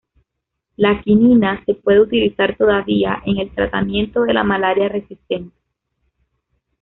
La quinina se puede utilizar todavía en el tratamiento de la malaria resistente.